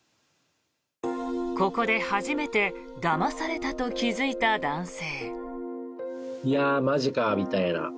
ここで初めてだまされたと気付いた男性。